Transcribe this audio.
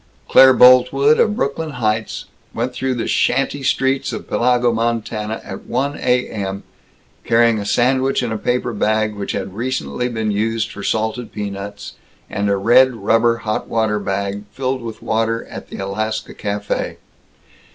Claire Boltwood, of Brooklyn Heights, went through the shanty streets of Pellago, Montana, at one A.M. carrying a sandwich in a paper bag which had recently been used for salted peanuts, and a red rubber hot water bag filled with water at the Alaska Café.